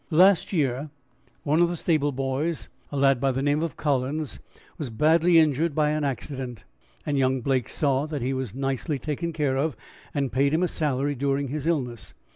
"Last year one of the stable boys, a lad by the name of Collins, was badly injured by an accident, and young Blake saw that he was nicely taken care of, and paid him a salary during his illness.